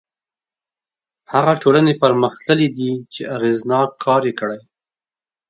هغه ټولنې پرمختللي دي چې اغېزناک کار یې کړی.